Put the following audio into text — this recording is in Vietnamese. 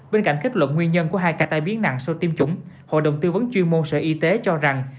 bên cạnh kết luận nguyên nhân của hai ca tai biến nặng sau tiêm chủng hội đồng tư vấn chuyên môn sở y tế cho rằng